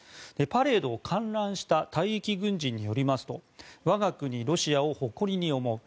パレードを観覧した退役軍人によりますと我が国ロシアを誇りに思う。